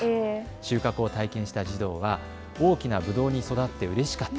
収穫を体験した児童は大きなぶどうに育ってうれしかった。